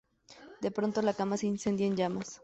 De pronto, la cama se incendia en llamas.